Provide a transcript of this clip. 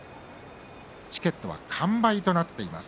チケットは完売となっています。